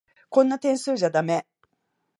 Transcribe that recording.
こんな点数じゃだめ。